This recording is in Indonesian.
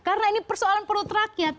karena ini persoalan perut rakyat